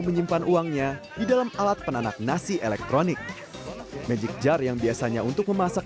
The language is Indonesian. menyimpan uangnya di dalam alat penanak nasi elektronik magic jar yang biasanya untuk memasak